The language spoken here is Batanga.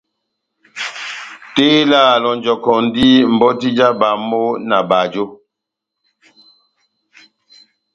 Tela a lonjɔkɔndi mbɔti ja bamo na bajo.